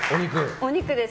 お肉です。